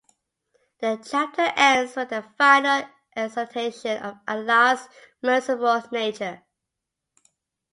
The chapter ends with a final exaltation of Allah's merciful nature.